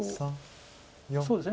そうですね